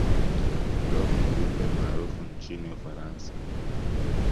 blob ni kiumbe maarufu nchini ufaransa